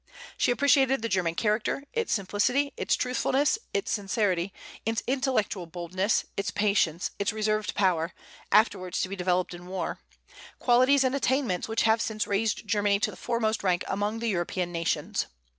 She appreciated the German character, its simplicity, its truthfulness, its sincerity, its intellectual boldness, its patience, its reserved power, afterwards to be developed in war, qualities and attainments which have since raised Germany to the foremost rank among the European nations.